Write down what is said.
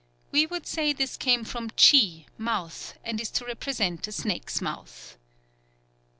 We would say this came from chi, "mouth," and is to represent a snake's mouth. 9th.